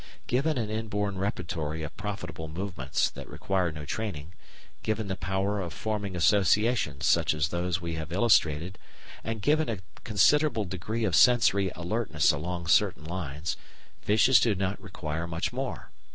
Given an inborn repertory of profitable movements that require no training, given the power of forming associations such as those we have illustrated, and given a considerable degree of sensory alertness along certain lines, fishes do not require much more.